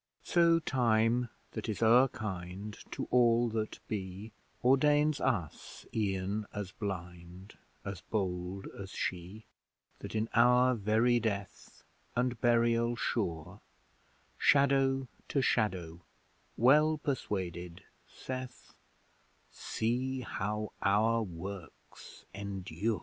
So Time that is o'er kind, To all that be, Ordains us e'en as blind, As bold as she: That in our very death, And burial sure, Shadow to shadow, well persuaded, saith, 'See how our works endure!'